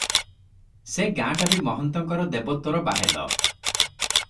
ସେ ଗାଁଟା ବି ମହନ୍ତଙ୍କର ଦେବୋତ୍ତର ବାହେଲ ।